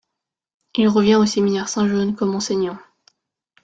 Il revient au séminaire St John, comme enseignant.